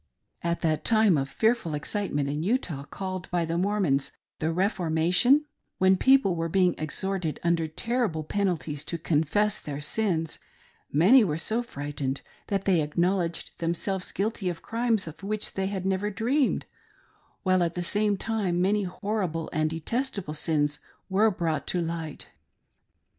At that time of fear I AM BAPTIZED 'AGAIN. l6l ful excitement in Utah, called by the Mormons " The Refor mation," when people were being exhorted under terrible pen alties to confess their sins, many were so frightened that they acknowledged themselves guilty of crimes of which they had never dreamed, while at the same time many horrible and detestable sins were brought to light.